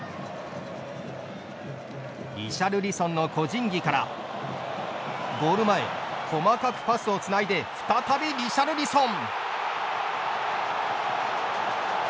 リシャルリソンの個人技からゴール前細かくパスをつないで再びリシャルリソン。